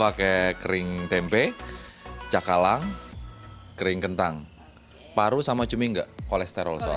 saya mau pakai kering tempe cakalang kering kentang paru sama cumi enggak kolesterol soalnya